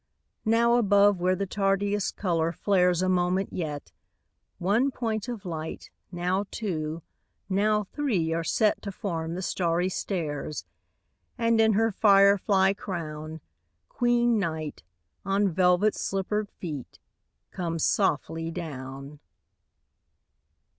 Now above where the tardiest color flares a moment yet, One point of light, now two, now three are set To form the starry stairs,— And, in her fire fly crown, Queen Night, on velvet slippered feet, comes softly down.